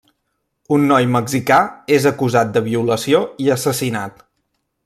Un noi mexicà és acusat de violació i assassinat.